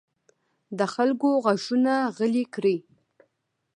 د خلکو غږونه غلي کړي.